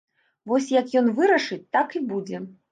Вось як ён вырашыць, так і будзе.